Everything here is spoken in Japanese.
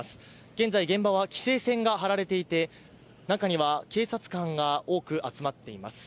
現在、現場は規制線が張られていて中には警察官が多く集まっています。